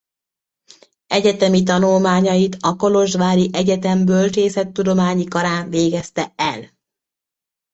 Egyetemi tanulmányait a kolozsvári egyetem Bölcsészettudományi Karán végezte el.